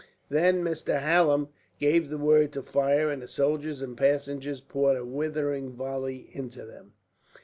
Then Mr. Hallam gave the word to fire, and the soldiers and passengers poured a withering volley into them.